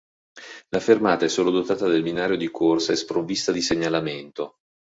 La fermata è dotata del solo binario di corsa e sprovvista di segnalamento.